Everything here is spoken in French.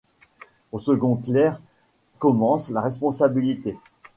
Au second clerc commence la responsabilité.